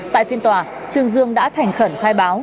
tại phiên tòa trương dương đã thành khẩn khai báo